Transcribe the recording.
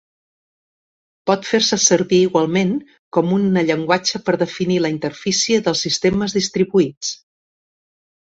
Pot fer-se servir igualment com una llenguatge per definir la interfície dels sistemes distribuïts.